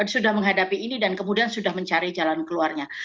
sudah menghadapi ini dan kemudian sudah mencari jalan keluarnya